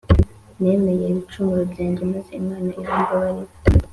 Nemeye ibicumuro byanjye maze Imana irambabarira